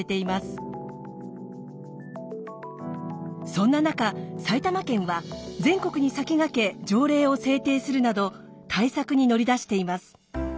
そんな中埼玉県は全国に先駆け条例を制定するなど対策に乗り出しています。